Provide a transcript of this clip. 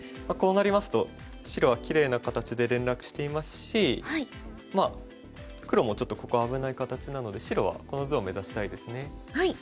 こうなりますと白はきれいな形で連絡していますし黒もちょっとここは危ない形なので白はこの図を目指したいですね。